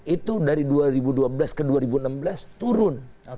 itu dari dua ribu dua belas ke dua ribu enam belas turun